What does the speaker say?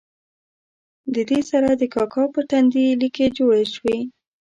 دې سره د کاکا پر تندي لیکې جوړې شوې.